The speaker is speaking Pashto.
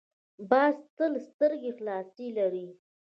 باز تل سترګې خلاصې لري